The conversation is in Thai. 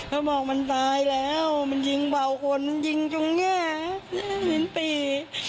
ก็บอกมันตายแล้วมันยิงเบาขนมันยิงจุงนี้๑๐ปี